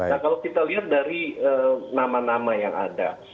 nah kalau kita lihat dari nama nama yang ada